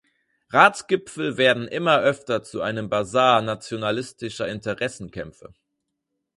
Ratsgipfel werden immer öfter zu einem Basar nationalistischer Interessenkämpfe.